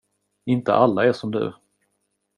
Inte alla är som du.